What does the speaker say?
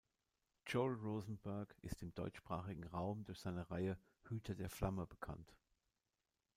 Joel Rosenberg ist im deutschsprachigen Raum durch seine Reihe „Hüter der Flamme“ bekannt.